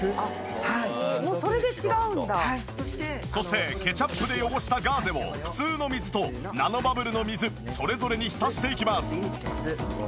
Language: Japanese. そしてケチャップで汚したガーゼを普通の水とナノバブルの水それぞれに浸していきます。